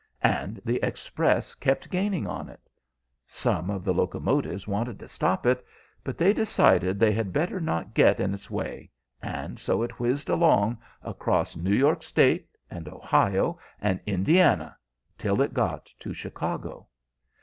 And the Express kept gaining on it. Some of the locomotives wanted to stop it, but they decided they had better not get in its way, and so it whizzed along across New York State and Ohio and Indiana, till it got to Chicago.